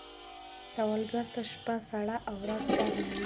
سوالګر ته شپه سړه او ورځ ګرمه وي